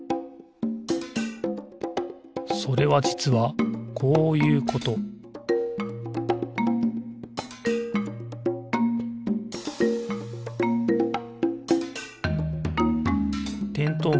それはじつはこういうことてんとう